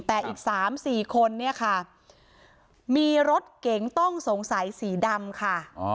แต่อีก๓๔คนเนี่ยค่ะมีรถเก๋งต้องสงสัยสีดำค่ะ